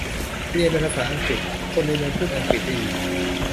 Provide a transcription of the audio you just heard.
เรียนเป็นภาษาอังกฤษ คนในเมืองพูดอังกฤษได้ดี